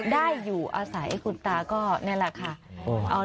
ได้อยู่อาศัยคุณตาก็นี่แหละค่ะ